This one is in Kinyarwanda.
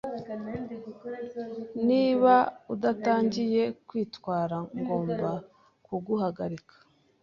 Niba udatangiye kwitwara ngomba kuguhagarika.